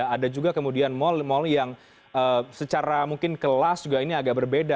ada juga kemudian mall mal yang secara mungkin kelas juga ini agak berbeda